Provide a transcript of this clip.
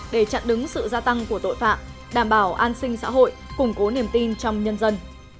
để chặn đứng sự gia tăng của tội phạm đảm bảo an sinh xã hội củng cố niềm tin trong nhân dân